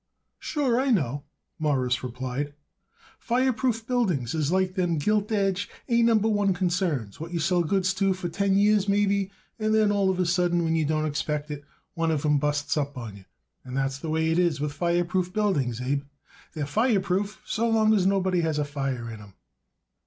"Sure I know," Morris replied; "fireproof buildings is like them gilt edge, A Number One concerns what you sell goods to for ten years, maybe, and then all of a sudden when you don't expect it one of 'em busts up on you. And that's the way it is with fireproof buildings, Abe. They're fireproof so long as nobody has a fire in 'em."